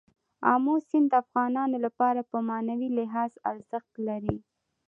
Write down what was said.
آمو سیند د افغانانو لپاره په معنوي لحاظ ارزښت لري.